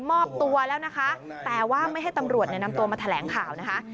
ตัวแล้วนะคะแต่ว่าไม่ให้ตำรวจนำตัวมาแถลงข่าวนะคะ